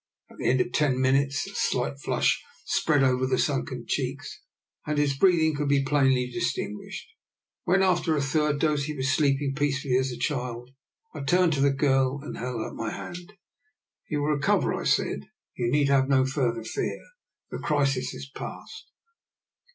At the end of ten minutes a slight flush spread over the sunken cheeks, and his breathing could be plainly distinguished. When, after a third dose, he was sleeping DIL NIKOLA'S EXPERIMENT, 95 peacefully as a little child, I turned to the girl and held out my hand. " He will recover," I said. " You need have no further fear. The crisis is past."